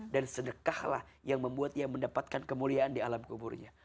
dan sedekahlah yang membuatnya mendapatkan kemuliaan di alam kuburnya